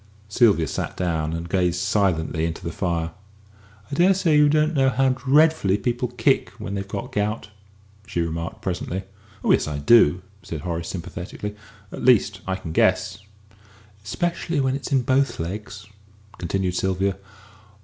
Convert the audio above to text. Sylvia sat down and gazed silently into the fire. "I dare say you don't know how dreadfully people kick when they've got gout," she remarked presently. "Oh yes, I do," said Horace, sympathetically; "at least, I can guess." "Especially when it's in both legs," continued Sylvia.